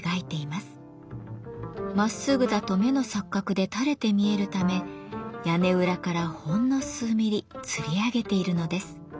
まっすぐだと目の錯覚で垂れて見えるため屋根裏からほんの数ミリつり上げているのです。